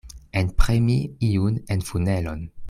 Enpremi iun en funelon.